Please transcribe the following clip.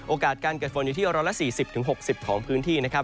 โอกาสการเกิดฝนอยู่ที่๑๔๐๖๐ของพื้นที่นะครับ